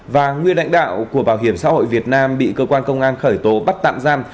và nguyên lãnh đạo của bảo hiểm xã hội việt nam bị cơ quan công an khởi tố bắt tạm giam